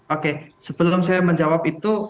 oke sebelum saya menjawab itu